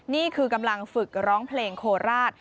นี่คือกำลังฝึกร้องเพลงโคราช